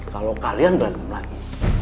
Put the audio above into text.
kalau kalian berantem lagi